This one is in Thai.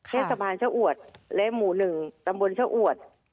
แค่สะพานชะอวดและหมู่หนึ่งตะบนชะอวด